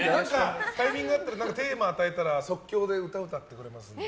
タイミングあったらテーマ与えたら即興で歌、歌ってくれますので。